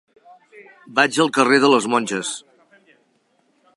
Vaig al carrer de les Monges.